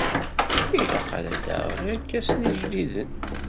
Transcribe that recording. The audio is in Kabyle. Ilaq ad d-aɣeɣ irkasen ijdiden.